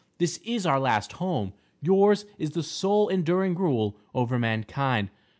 This is our last home, yours is the sole enduring rule over mankind.